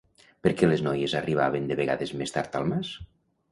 Per què les noies arribaven de vegades més tard al mas?